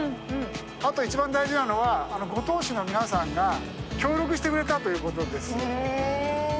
あと一番大事なのは五島市の皆さんが協力してくれたということです。